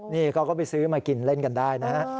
นี่เขาก็ไปซื้อมากินเล่นกันได้นะฮะ